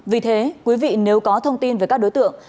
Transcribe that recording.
vì thế quý vị nếu có thông tin về các đối tượng